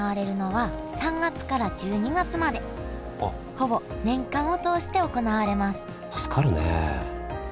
ほぼ年間を通して行われます